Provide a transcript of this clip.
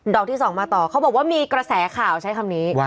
อกที่สองมาต่อเขาบอกว่ามีกระแสข่าวใช้คำนี้